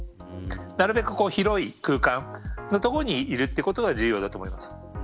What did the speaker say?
なるべく広い空間の所にいることが重要だと思います。